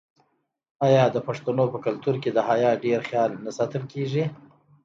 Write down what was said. آیا د پښتنو په کلتور کې د حیا ډیر خیال نه ساتل کیږي؟